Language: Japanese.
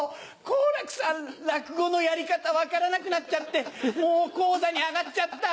好楽さん落語のやり方分からなくなっちゃってもう高座に上がっちゃった。